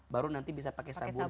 baru nanti bisa pakai sabun